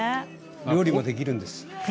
料理もできるんです。